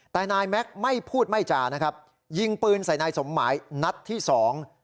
แต่นายแม็กซ์ไม่พูดไม่จานะครับยิงปืนใส่นายสมหมายนัดที่สอง